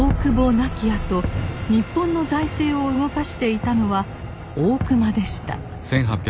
亡きあと日本の財政を動かしていたのは大隈でした。